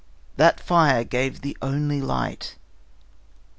That fire gave the only light.